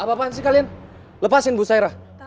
apa apaan sih kalian lepasin bu sairah